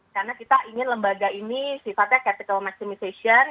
karena kita ingin lembaga ini sifatnya capital maximization